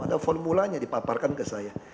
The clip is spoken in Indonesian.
ada formulanya dipaparkan ke saya